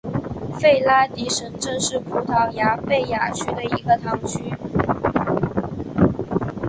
弗拉迪什镇是葡萄牙贝雅区的一个堂区。